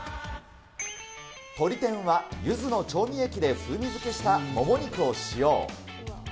鶏天はゆずの調味液で風味づけしたもも肉を使用。